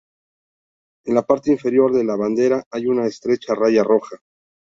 En la parte inferior de la bandera hay una estrecha raya roja.